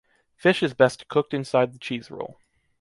Fish is best cooked inside the cheese roll.